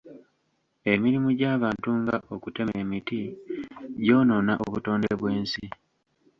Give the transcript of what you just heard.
Emirimu gy'abantu nga okutema emiti gyonoona obutonde bw'ensi.